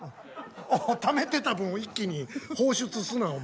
ためてた分を一気に放出すなお前。え？